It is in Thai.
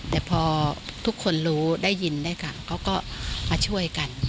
แต่พอทุกคนรู้ได้ยินได้ข่าวเขาก็มาช่วยกัน